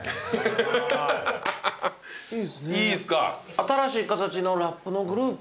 新しい形のラップのグループ。